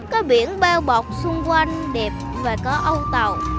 có biển bao bọc xung quanh đẹp và có âu tàu